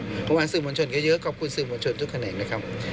เพราะว่าสื่อมวลชนก็เยอะขอบคุณสื่อมวลชนทุกแขนงนะครับ